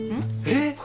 えっ！？